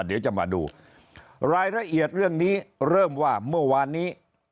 เดี๋ยวจะมาดูรายละเอียดเรื่องนี้เริ่มว่าเมื่อวานนี้